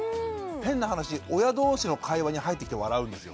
変な話親同士の会話に入ってきて笑うんですよ。